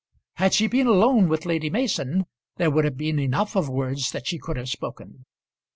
Had she been alone with Lady Mason there would have been enough of words that she could have spoken.